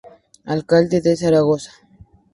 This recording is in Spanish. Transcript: Alcalde de Zaragoza.